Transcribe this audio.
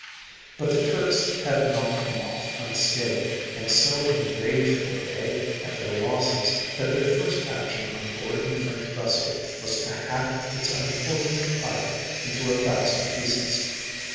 But the Turks had not come off unscathed, and so enraged were they at their losses that their first action on boarding the French vessel was to hack its unfortunate pilot into a thousand pieces.